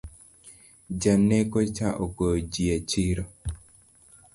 Janeko cha ogoyo jii e chiro